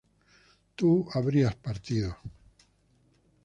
tú habrías partido